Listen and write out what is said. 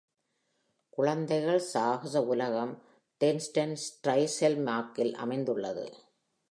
குழந்தைகள் சாகச உலகம் டிரெஸ்டன் ஸ்ட்ரைசெல்மார்க்கில் அமைந்துள்ளது.